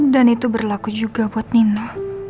dan itu berlaku juga buat nino